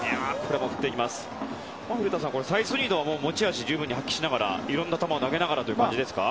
古田さん、サイスニードは持ち味を十分に発揮しながらいろんな球を投げながらという感じですか。